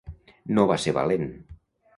No va ser valent.